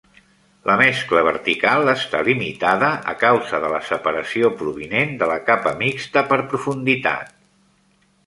La mescla vertical està limitada a causa de la separació provinent de la capa mixta per profunditat.